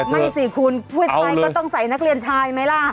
ไม่สิคุณผู้ชายก็ต้องใส่นักเรียนชายไหมล่ะ